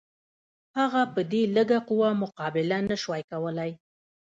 هغه په دې لږه قوه مقابله نه شوای کولای.